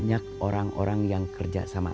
banyak orang orang yang kerja sama